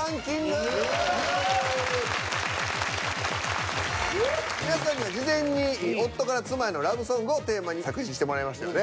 最初の６連単は皆さんには事前に夫から妻へのラブソングをテ―マに作詞してもらいましたよね。